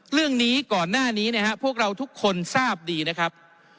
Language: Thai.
เรื่องนี้ก่อนหน้านี้นะครับพวกเราทุกคนทราบดีนะครับ